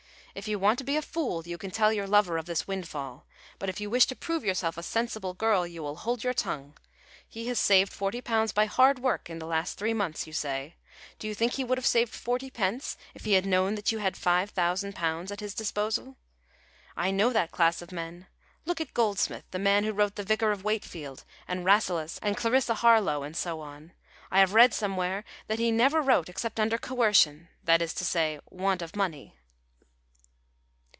"If you want to be a fool, you can tell your lover of this windfall; but if you wish to prove yourself a sensible girl, you will hold your tongue. He has saved forty pounds by hard work in the last three months, you say: do you think he would have saved forty pence if he had known that you had five thousand pounds at his disposal? I know that class of men; look at Goldsmith, the man who wrote the "Vicar of Wakefield," and "Rasselas," and "Clarissa Harlowe," and so on. I have read somewhere that he never wrote except under coercion that is to say, want of money."